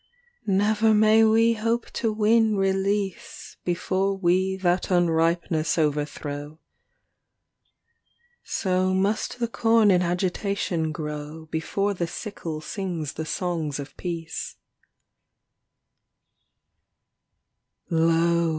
never may we hope to win release Before wo that unripeness overthrow, So must the corn in agitation grow Before the sickle sings the songs of peace.